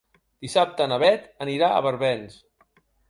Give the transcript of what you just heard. Dissabte na Bet anirà a Barbens.